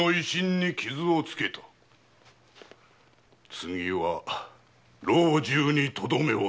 次は老中にとどめを刺す。